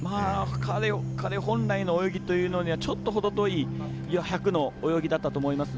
彼本来の泳ぎにはちょっと程遠い１００の泳ぎだったと思います。